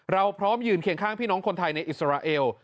เราพร้อมยืนเคียงข้างพี่น้องคนไทยในอิสราเอล